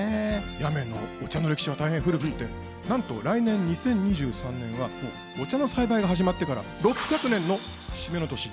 八女のお茶の歴史は大変古くてなんと来年２０２３年はお茶の栽培が始まってから６００年の節目の年。